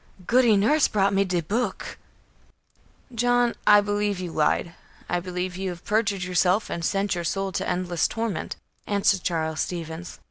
"Goody Nurse brought me de book." "John, I believe you lied. I believe you have perjured yourself and sent your soul to endless torment," answered Charles Stevens.